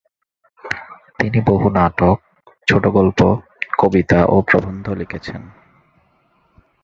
তিনি বহু নাটক, ছোটগল্প, কবিতা ও প্রবন্ধ লিখেছেন।